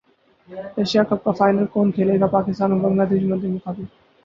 Asia cup کا final کون کھیلے گا پاکستان اور بنگلہ دیش مدمقابل